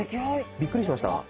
びっくりしました。